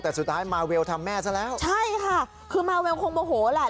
แต่สุดท้ายมาเวลทำแม่ซะแล้วใช่ค่ะคือมาเวลคงโมโหแหละ